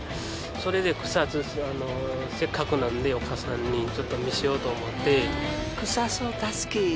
それで草津せっかくなのでお母さんにちょっと見せようと思って。